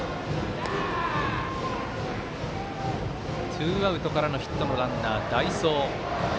ツーアウトからのヒットのランナー、代走。